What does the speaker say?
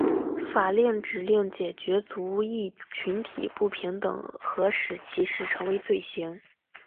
法律指令解决族裔群体不平等和使歧视成为罪行。